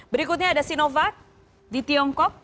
berikutnya ada sinovac di tiongkok